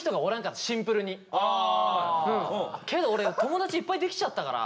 けど俺友達いっぱいできちゃったから。